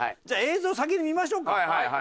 じゃあ映像を先に見ましょうか。